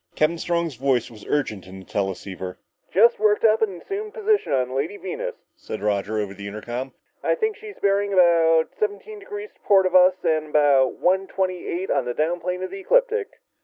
Captain Strong's voice was urgent in the teleceiver. "Just worked up an assumed position on the Lady Venus," said Roger over the intercom. "I think she's bearing about seventeen degrees to port of us, and about one twenty eight on the down plane of the ecliptic."